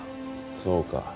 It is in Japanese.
そうか。